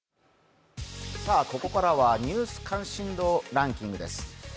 ここからは「ニュース関心度ランキング」です。